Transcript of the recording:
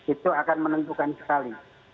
itu akan menentukan sekali